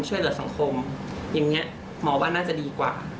ช่วยเหลือสังคมอย่างนี้หมอว่าน่าจะดีกว่า